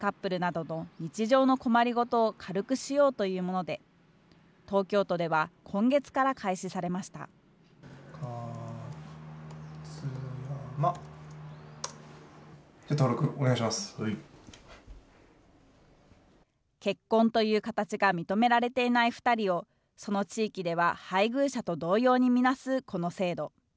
同性カップルなどの日常の困りごとを軽くしようというもので、東結婚という形が認められていない２人を、その地域では配偶者と同様に見なすこの制度。